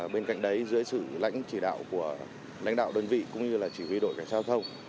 bên cạnh đấy dưới sự lãnh chỉ đạo của lãnh đạo đơn vị cũng như là chỉ huy đội cảnh sát giao thông